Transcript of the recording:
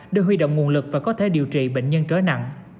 để huy động nguồn lực và có thể điều trị bệnh nhân trở nặng